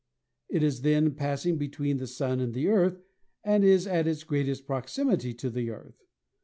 It is then pass ing between the Sun and the Earth and is at its greatest proximity to the Earth.